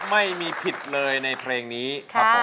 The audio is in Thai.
ไม่มีผิดเลยในเพลงนี้ครับผม